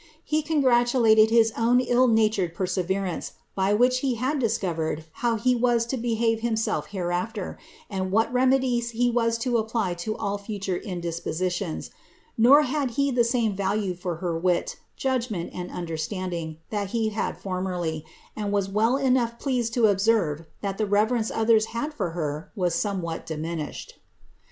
He congratulated his own ill natured perse which he had discovered how he was to behave himself id what remedies he was to apply to all future indispositions; the same value for her wit, judgment, and understanding, that aerly, and was well enough pleased to observe that the reve s had for her was somewhat diminished.